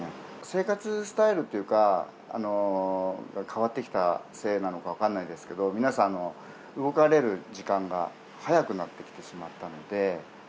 生活スタイルっていうか、変わってきたせいなのか分からないですけど、皆さん、動かれる時間が早くなってきてしまったので。